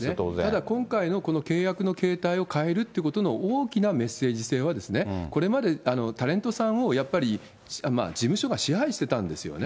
ただ今回のこの契約の形態を変えるってことの大きなメッセージ性はですね、これまでタレントさんをやっぱり事務所が支配してたんですよね。